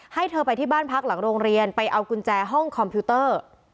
ให้เธอไปที่บ้านพักหลังโรงเรียนไปเอากุญแจห้องคอมพิวเตอร์